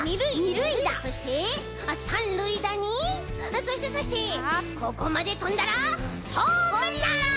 そして３るいだにそしてそしてここまでとんだらホームラン！